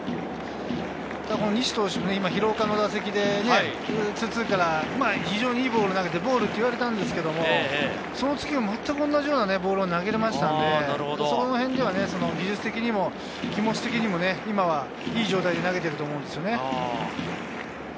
西投手も廣岡の打席で２‐２から非常にいいボールを投げて、ボールと言われたんですけど、その次もまったく同じようなボールを投げれましたので、そのへんでは技術的にも気持ち的にも、今はいい状態で投げていると思うんですね。